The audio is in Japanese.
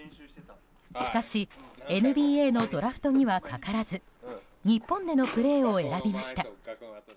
しかし、ＮＢＡのドラフトにはかからず日本でのプレーを選びました。